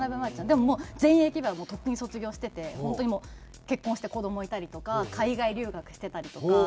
でももう全員ＡＫＢはとっくに卒業してて本当にもう結婚して子どもいたりとか海外留学してたりとか。